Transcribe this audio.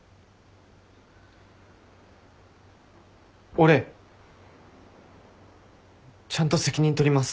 俺ちゃんと責任取ります。